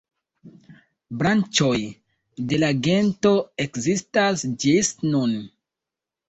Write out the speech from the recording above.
Branĉoj de la gento ekzistas ĝis nun.